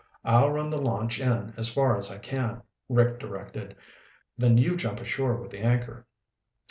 "I'll run the launch in as far as I can," Risk directed, "then you jump ashore with the anchor."